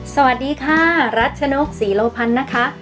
สวัสดีค่ะรัชนกศรีโลพันธ์นะคะ